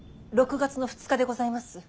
６月の２日でございます。